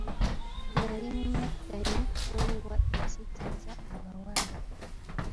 Nali mumegganyi kkungwa eyasattiza abawala.